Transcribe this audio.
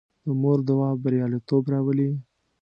د مور دعا بریالیتوب راولي.